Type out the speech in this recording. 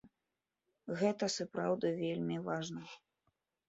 Гэта сапраўды вельмі важна.